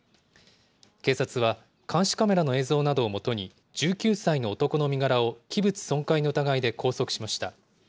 警察は監視カメラの映像などをもとに１９歳の男の身柄を器物損壊の疑いで拘束しました。